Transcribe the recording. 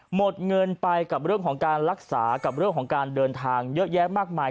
หมดเงินไปกับเรื่องของการรักษากับเรื่องของการเดินทางเยอะแยะมากมาย